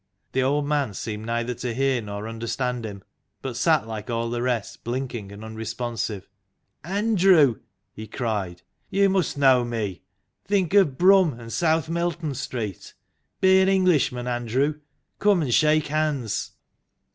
The old man seemed neither to hear nor understand him, but sat like all the rest, blinking and unre sponsive. " Andrew," he cried, "you must know me! Think of Brum and South Melton Street. Be an Englishman, Andrew come and shake hands